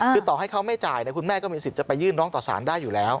คือต่อให้เขาไม่จ่ายคุณแม่ก็มีสิทธิ์จะไปยื่นร้องต่อสารได้อยู่แล้ว